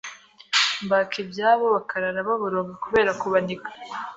mbaka ibyabo bakarara baboroga kubera kubaniga